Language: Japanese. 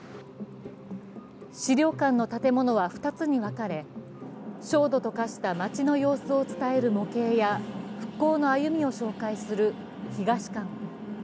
資料館の建物は２つに分かれ、焦土と化した街の様子を伝える模型や復興の歩みを紹介する東館。